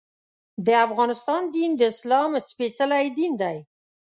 د افغانستان دین د اسلام سپېڅلی دین دی.